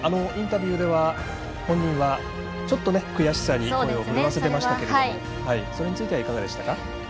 インタビューでは、本人はちょっと悔しさに声を震わせていましたがそれについてはいかがでしたか？